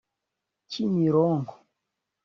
Kimironko